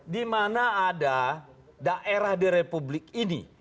di mana ada daerah di republik ini